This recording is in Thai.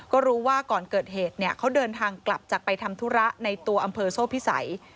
ก็รู้ว่าก่อนเกิดเหตุเขาเดินทางกลับจากไปทำธุระในตัวอำเภอโซ่พิสัย